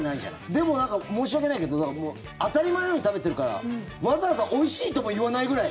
でもなんか、申し訳ないけど当たり前のように食べてるからわざわざおいしいとも言わないぐらい。